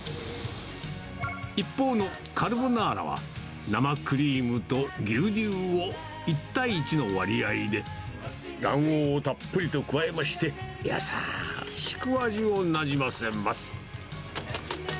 一方のカルボナーラは、生クリームと牛乳を１対１の割合で、卵黄をたっぷりと加えまして、やさーしく味をなじませます。